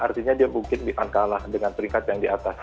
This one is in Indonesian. artinya dia mungkin akan kalah dengan peringkat yang diatas